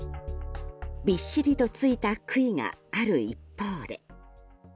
びっしりと付いた杭がある一方で。